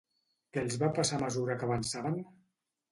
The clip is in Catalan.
Què els va passar a mesura que avançaven?